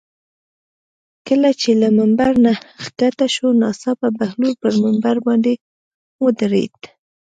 کله چې له ممبر نه ښکته شو ناڅاپه بهلول پر ممبر باندې ودرېد.